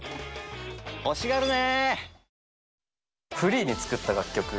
欲しがるね！